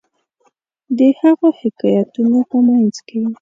د هغو حکایتونو په منځ کې.